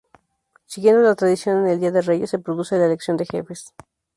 Siguiendo la tradición en el día de Reyes se produce la elección de Jefes.